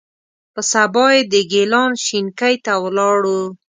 په سبا یې د ګیلان شینکۍ ته ولاړو.